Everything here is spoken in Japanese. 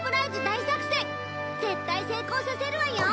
大作戦絶対成功させるわよ！